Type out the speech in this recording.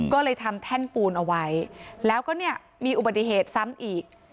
ก็เลยทำแท่นปูนเอาไว้แล้วก็เนี่ยมีอุบัติเหตุซ้ำอีก